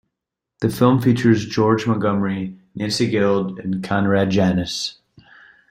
The film features George Montgomery, Nancy Guild and Conrad Janis.